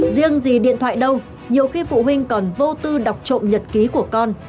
riêng gì điện thoại đâu nhiều khi phụ huynh còn vô tư đọc trộm nhật ký của con